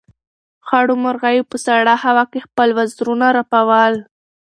خړو مرغیو په سړه هوا کې خپل وزرونه رپول.